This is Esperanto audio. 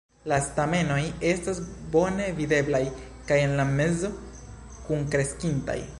La stamenoj estas bone videblaj kaj en la mezo kunkreskintaj.